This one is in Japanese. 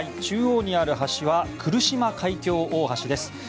中央にある橋は来島海峡大橋です。